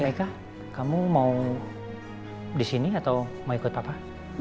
ya eka kamu mau di sini atau mau ikut pak pahlawan